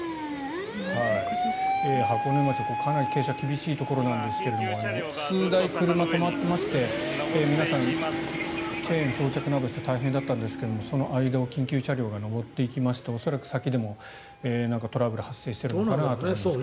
箱根町、かなり傾斜が厳しいところなんですが数台、車が止まっていまして皆さん、チェーン装着などして大変だったんですがその間を緊急車両が上っていきまして恐らく先でもトラブルが発生しているのかなと思いますが。